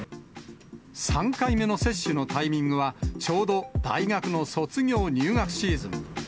３回目の接種のタイミングは、ちょうど大学の卒業・入学シーズン。